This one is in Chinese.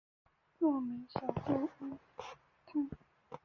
又名小朱鸟汤。